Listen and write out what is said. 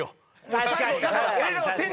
確かに。